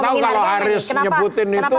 saya nggak tahu kalau haris nyebutin itu